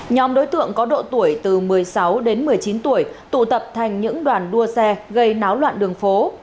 nhóm đối tượng có độ tuổi từ một mươi sáu đến một mươi chín tuổi tụ tập thành những đoàn đua xe gây náo loạn đường phố